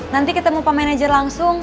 nanti ketemu pamanajer langsung